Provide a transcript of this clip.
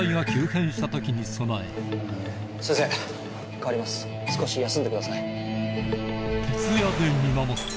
先生代わります少し休んでください。